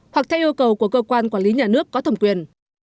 hoặc theo yêu cầu của cơ quan quản lý nhà nước có thẩm quyền